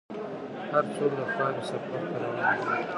هر څوک د خاورې سفر ته روان دی.